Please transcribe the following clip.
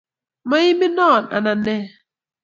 Maimin noo ,anan nee